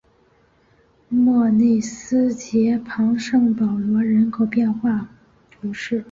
莫内斯捷旁圣保罗人口变化图示